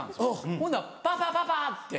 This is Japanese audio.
ほんなら「パパパパ」って。